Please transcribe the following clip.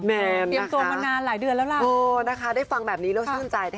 แบนนะคะเป็นนะคะได้ฟังแบบนี้แล้วชื่นใจ